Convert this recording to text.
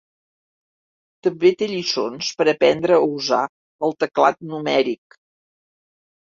També té lliçons per aprendre a usar el teclat numèric.